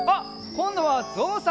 こんどはぞうさん！